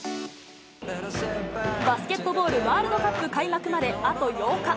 バスケットボールワールドカップ開幕まであと８日。